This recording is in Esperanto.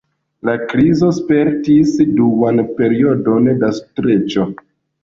La krizo spertis duan periodon da streĉo.